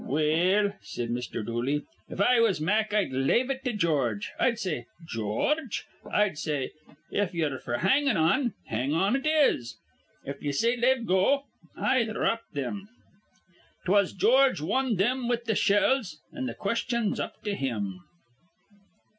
"Well," said Mr. Dooley, "if I was Mack, I'd lave it to George. I'd say: 'George,' I'd say, 'if ye're f'r hangin' on, hang on it is. If ye say, lave go, I dhrop thim.' 'Twas George won thim with th' shells, an' th' question's up to him."